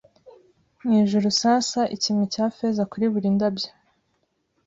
mwijuru sasa ikime cya feza Kuri buri ndabyo